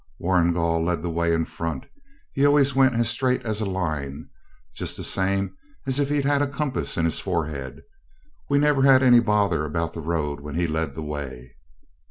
Warrigal led the way in front. He always went as straight as a line, just the same as if he'd had a compass in his forehead. We never had any bother about the road when he led the way.